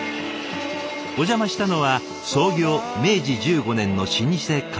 お邪魔したのは創業明治１５年の老舗鰹節店。